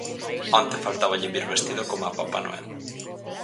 Onte faltáballe vir vestido coma Papá Noel.